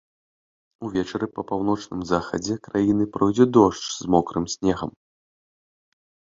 Увечары па паўночным захадзе краіны пройдзе дождж з мокрым снегам.